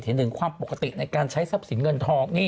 เห็นถึงความปกติในการใช้ทรัพย์สินเงินทอง